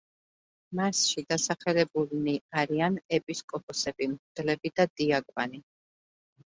მასში დასახელებულნი არიან ეპისკოპოსები, მღვდლები და დიაკვანი.